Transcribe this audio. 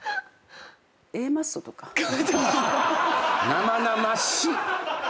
生々しい！